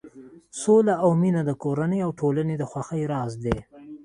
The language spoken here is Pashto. سوله او مینه د کورنۍ او ټولنې د خوښۍ راز دی.